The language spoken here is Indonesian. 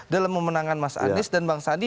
dalam memenangkan mas anies dan bang sandi